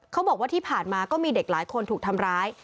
เขาบอกว่าที่ผ่านมาก็มีเด็กหลายคนถูกทำร้าย